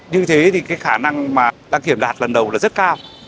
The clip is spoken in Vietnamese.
như thế thì cái khả năng mà đang kiểm đạt lần đầu là rất cao